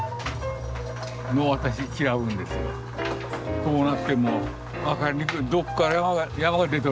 こうなってるの。